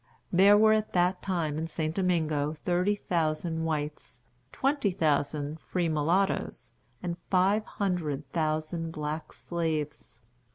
There were at that time in St. Domingo thirty thousand whites, twenty thousand free mulattoes, and five hundred thousand black slaves.